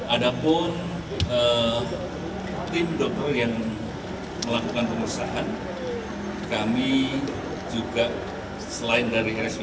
ada pun tim dokter yang melakukan pengesahan kami juga selain dari rspa